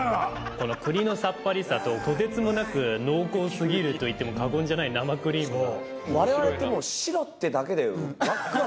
この栗のさっぱりさととてつもなく濃厚すぎるといっても過言じゃない生クリームが。